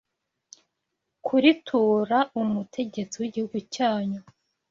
kuritura umutegetsi w’igihugu cyanyu?